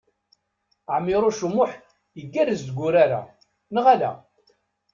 Ɛmiṛuc U Muḥ igerrez deg urar-a, neɣ ala?